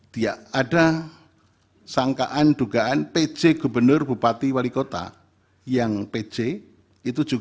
tidak ada sangkaan dugaan pj gubernur bupati wali kota yang pj